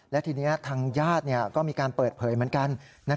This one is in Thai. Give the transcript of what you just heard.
และทีนี้ทางญาติก็มีการเปิดเผยเหมือนกัน